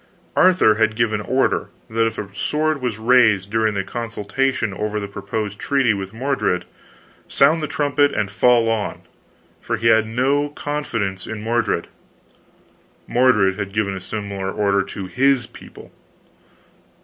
Arthur had given order that if a sword was raised during the consultation over the proposed treaty with Mordred, sound the trumpet and fall on! for he had no confidence in Mordred. Mordred had given a similar order to his people.